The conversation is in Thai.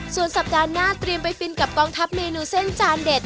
ส่วนสัปดาห์หน้าเตรียมไปฟินกับกองทัพเมนูเส้นจานเด็ด